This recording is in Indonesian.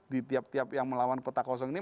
di tiap tiap yang melawan petak kosong ini